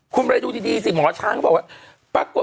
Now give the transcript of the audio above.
คุณไปดูดีสิหมอช้างเขาบอกว่าปรากฏ